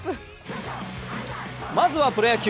まずはプロ野球。